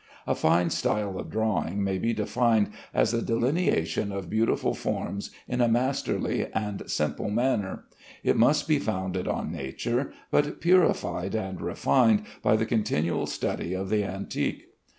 A fine style of drawing may be defined as the delineation of beautiful forms in a masterly and simple manner. It must be founded on nature, but purified and refined by the continual study of the antique.